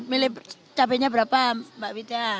milih cabenya berapa mbak wita